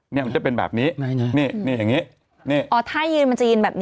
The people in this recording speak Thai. เนี้ยมันจะเป็นแบบนี้ไหนเนี้ยเนี้ยเนี้ยอย่างงี้เนี้ยอ๋อถ้ายืนมันจะยืนแบบนี้